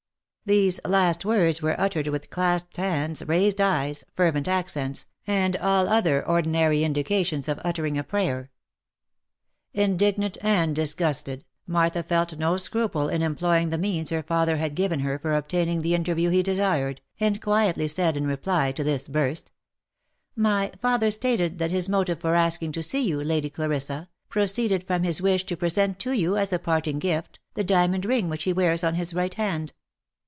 These last words were uttered with clasped hands, raised eyes, fervent accents, and all other ordinary indications of uttering a prayer. Indignant and disgusted, Martha felt no scruple in employing the means her father had given her for obtaining the interview he desired, and quietly said in reply to this burst, " My father stated that his mo tive for asking to see you, Lady Clarissa, proceeded from his wish to present to you, as a parting gift, the diamond ring which he wears on his right hand."